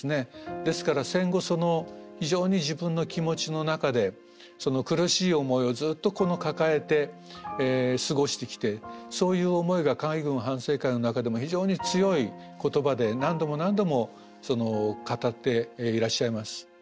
ですから戦後非常に自分の気持ちの中でその苦しい思いをずっと抱えて過ごしてきてそういう思いが海軍反省会の中でも非常に強い言葉で何度も何度も語っていらっしゃいます。